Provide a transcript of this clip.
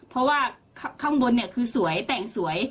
เพราะว่าข้างบนเนี่ยคือสวยแต่งสวย